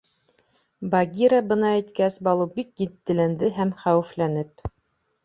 — Багира быны әйткәс, Балу бик етдиләнде һәм хәүефләнеп: